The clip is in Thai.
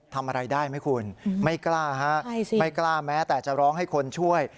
ทำอะไรได้ไหมคุณไม่กล้าฮะไม่กล้าแม้แต่จะร้องให้คนช่วย